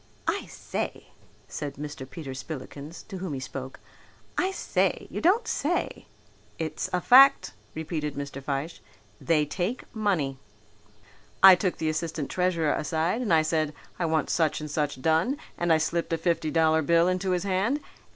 "I say!" said Mr. Peter Spillikins, to whom he spoke, "I say! You don't say!" "It's a fact," repeated Mr. Fyshe. "They take money. I took the assistant treasurer aside and I said, 'I want such and such done,' and I slipped a fifty dollar bill into his hand.